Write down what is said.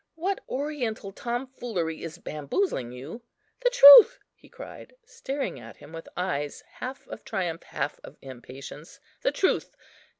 What oriental tomfoolery is bamboozling you? The truth!" he cried, staring at him with eyes, half of triumph, half of impatience, "the truth!